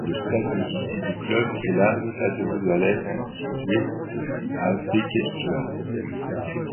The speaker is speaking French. Le stade domicile du club est la Nadderudhallen, située à Bekkestua.